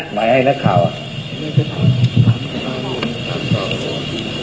หมายให้เลยนะครับ